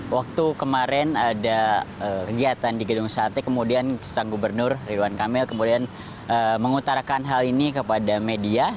waktu kemarin ada kegiatan di gedung sate kemudian sang gubernur ridwan kamil kemudian mengutarakan hal ini kepada media